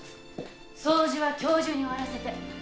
掃除は今日中に終わらせて。